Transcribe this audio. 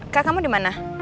kak kamu di mana